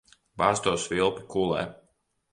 Bāz to svilpi kulē.